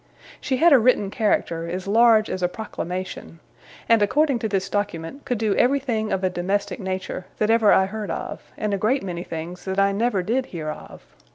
She had a written character, as large as a proclamation; and, according to this document, could do everything of a domestic nature that ever I heard of, and a great many things that I never did hear of.